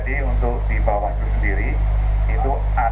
dan kemudian sangat ramah c storing tempat tu faith multi